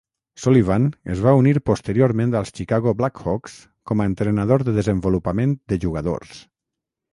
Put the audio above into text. Sullivan es va unir posteriorment als Chicago Blackhawks com a entrenador de desenvolupament de jugadors.